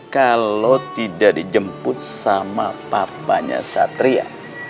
kalau tidak dijemput sama papanya satria